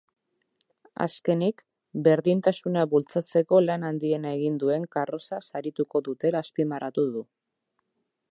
Azkenik, berdintasuna bultzatzeko lan handiena egin duen karroza sarituko dutela azpimarratu du.